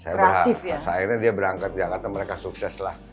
saya berharap akhirnya dia berangkat jakarta mereka sukses lah